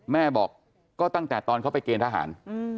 แม่บอกก็ตั้งแต่ตอนเขาไปเกณฑหาร